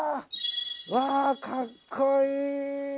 わあかっこいい！